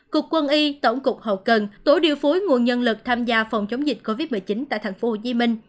cục quân y tổng cục hậu cần tổ điều phúi nguồn nhân lực tham gia phòng chống dịch covid một mươi chín tại tp hcm